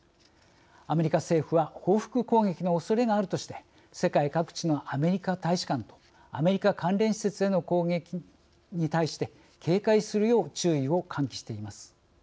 アメリカ政府は報復攻撃のおそれがあるとして世界各地のアメリカ大使館とアメリカ関連施設への攻撃に対して警戒するよう注意を喚起しています。